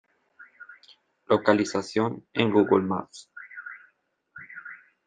Localización en Google Maps.